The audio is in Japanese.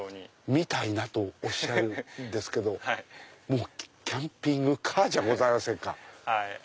「みたいな」とおっしゃるんですけどキャンピングカーじゃございませんか。